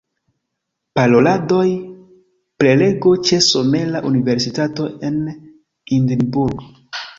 Paroladoj; prelego ĉe Somera Universitato en Edinburgh.